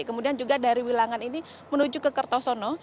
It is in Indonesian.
kemudian juga dari wilangan ini menuju ke kertosono